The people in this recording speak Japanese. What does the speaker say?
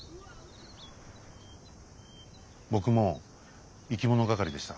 僕も生き物係でした。